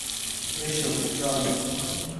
এসো, চলো।